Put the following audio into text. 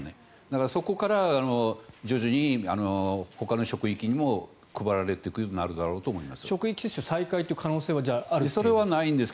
そこから徐々にほかの職域にも配られてくるようになるだろうと思います。